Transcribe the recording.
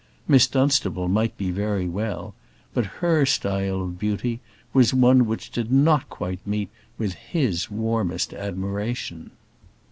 Miss Dunstable might be very well; but her style of beauty was one which did not quite meet with his warmest admiration.